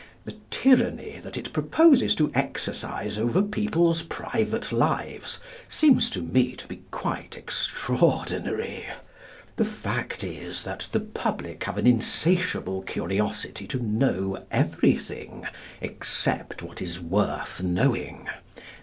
The tyranny that it proposes to exercise over people's private lives seems to me to be quite extraordinary. The fact is, that the public have an insatiable curiosity to know everything, except what is worth knowing.